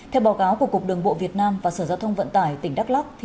theo báo cáo của cục đường bộ việt nam và sở giao thông vận tải tp đắk lắk